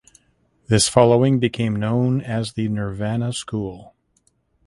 This following became known as the Nirvana School.